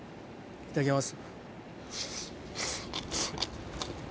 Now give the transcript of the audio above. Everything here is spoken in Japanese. いただきます。